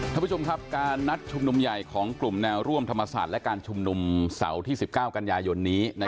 ท่านผู้ชมครับการนัดชุมนุมใหญ่ของกลุ่มแนวร่วมธรรมศาสตร์และการชุมนุมเสาร์ที่๑๙กันยายนนี้